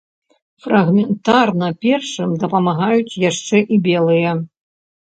Фрагментарна першым дапамагаюць яшчэ і белыя.